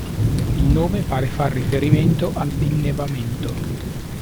Il nome pare far riferimento all'innevamento.